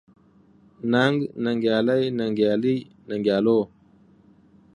ننګ، ننګيالي ، ننګيالۍ، ننګيالو ،